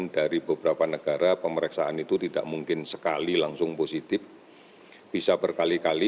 dari beberapa negara pemeriksaan itu tidak mungkin sekali langsung positif bisa berkali kali